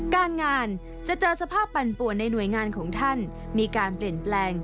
การงานจะเจอสภาพปั่นป่วนในหน่วยงานของท่านมีการเปลี่ยนแปลง